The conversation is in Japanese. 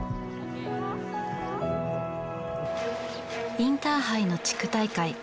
インターハイの地区大会。